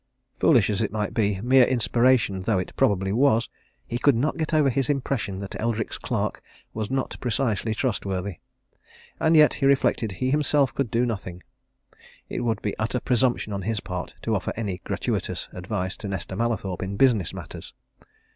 Foolish as it might be, mere inspiration though it probably was, he could not get over his impression that Eldrick's clerk was not precisely trustworthy. And yet, he reflected, he himself could do nothing it would be utter presumption on his part to offer any gratuitous advice to Nesta Mallathorpe in business matters.